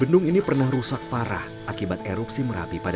bendung ini pernah rusak parah akibat erupsi merapi pada dua ribu sepuluh